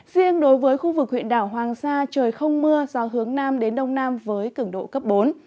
riêng đối với khu vực huyện đảo hoàng sa trời không mưa do hướng nam đến đông nam với cứng độ cấp bốn